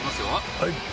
はい。